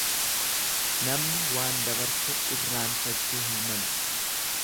Namni waan dabarse irraanfachuu hin malu.